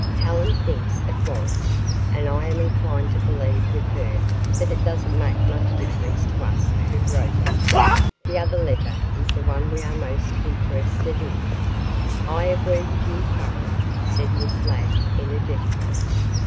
Helen thinks it was, and I am inclined to believe with her that it doesn't make much difference to us who wrote it. The other letter is the one we are most interested in." "I agree with you thoroughly," said Miss Ladd energetically.